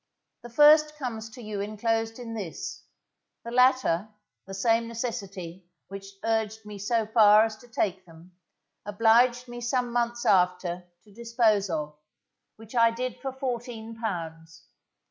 The first comes to you enclosed in this, the latter, the same necessity which urged me so far as to take them, obliged me some months after to dispose of, which I did for fourteen pounds.